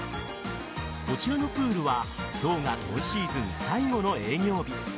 こちらのプールは今日が今シーズン最後の営業日。